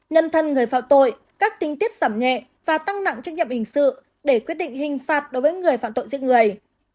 nhân thân người phạm tội các tình tiết giảm nhẹ và tăng nặng trách nhiệm hình sự để quyết định hình phạt đối với người phạm tội giết người